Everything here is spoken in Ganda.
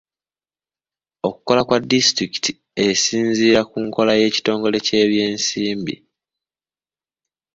Okukola kwa disitulukiti esinziira ku nkola y'ekitongole ky'ebyensimbi.